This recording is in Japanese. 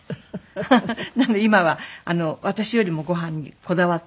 なので今は私よりもご飯にこだわって。